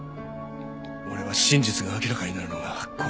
俺は真実が明らかになるのが怖かった。